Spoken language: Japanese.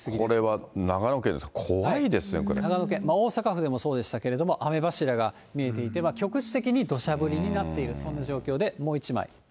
これは長野県ですか、怖いで長野県、大阪府でもそうでしたけれども、雨柱が見えていて、局地的にどしゃ降りになっている、そんな状況